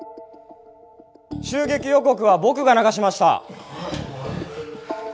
襲撃予告は僕が流しました。